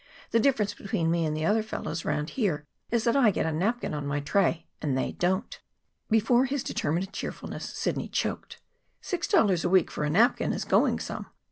The difference between me and the other fellows around here is that I get a napkin on my tray and they don't." Before his determined cheerfulness Sidney choked. "Six dollars a week for a napkin is going some.